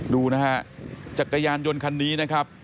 ดูนะฮะจักรยานยนต์คันนี้นะครับ